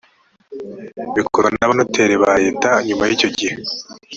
bikorwa n abanoteri ba leta nyuma y icyo gihe